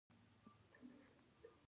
جوار لوړ حرارت زغمي.